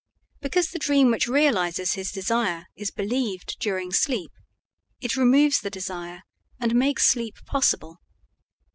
Because the dream which realizes his desire is believed during sleep, it removes the desire and makes sleep possible.